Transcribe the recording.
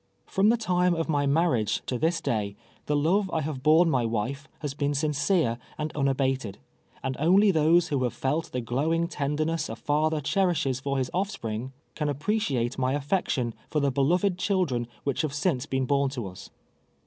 Friim the time of my marriage to this day the love I have borne my wife has been sincere and unabated; and only tlmse who have felt the glowing tenderness a father cherislies for his oH'spring, can appreciate my atfeetion for the beloved children which have since been burn to us.